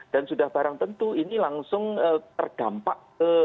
dan sudah barang tentu ini langsung terdampak